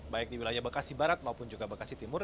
baik di wilayah bekasi barat maupun juga bekasi timur